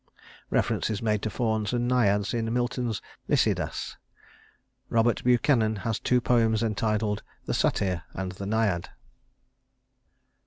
Reference is made to fauns and naiads in Milton's "Lycidas." Robert Buchanan has two poems entitled "The Satyr" and "The Naiad."